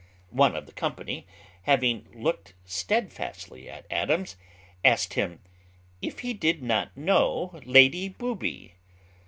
One of the company, having looked steadfastly at Adams, asked him, "If he did not know Lady Booby?"